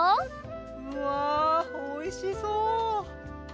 うわおいしそう！